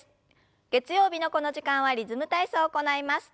月曜日のこの時間は「リズム体操」を行います。